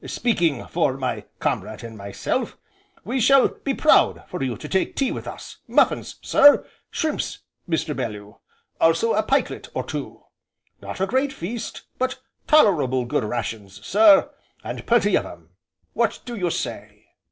Speaking for my comrade and myself we shall be proud for you to take tea with us muffins sir shrimps, Mr. Bellew also a pikelet or two. Not a great feast but tolerable good rations, sir and plenty of 'em what do you say?"